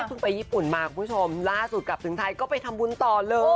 ไปญี่ปุ่นมาคุณผู้ชมล่าสุดกลับถึงไทยก็ไปทำบุญต่อเลย